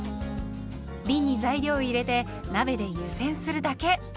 びんに材料を入れて鍋で湯煎するだけ。